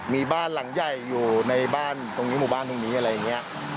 มีบ้านหลังใหญ่อยู่ในบ้านตรงนี้หมู่บ้านตรงนี้อะไรอย่างนี้